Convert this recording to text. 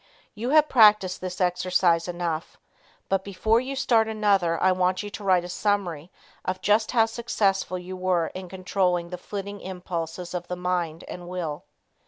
You have practiced this exercise enough, but before you start another I want you to write a summary of just how successful you were in controlling the flitting impulses of the mind and will.